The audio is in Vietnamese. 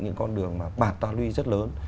những con đường mà bạt toa lưu rất lớn